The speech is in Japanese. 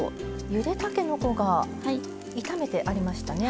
ゆでたけのこが炒めてありましたね。